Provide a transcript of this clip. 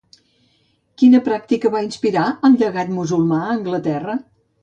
Quina pràctica va inspirar el llegat musulmà a Anglaterra?